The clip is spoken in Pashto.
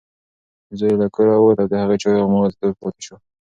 زوی یې له کوره ووت او د هغې چای هماغسې تود پاتې شو.